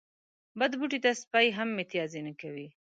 بد بوټي ته سپي هم متازې نه کوی